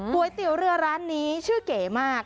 ก๋วยเตี๋ยวเรือร้านนี้ชื่อเก๋มาก